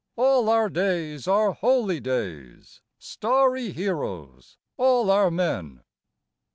All our days are holy days, Starry heroes all our men.